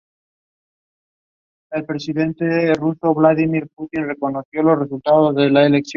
Cuando la experiencia tiene un tono general desagradable, suele hablarse de un "mal viaje".